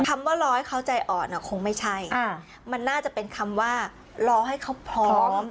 คำว่ารอให้เขาใจอ่อนคงไม่ใช่มันน่าจะเป็นคำว่ารอให้เขาพร้อม